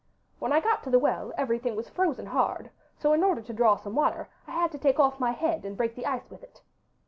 When I got to the well everything was frozen hard, so in order to draw some water I had to take off my head and break the ice with it.